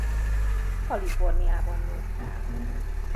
Kaliforniában nőtt fel.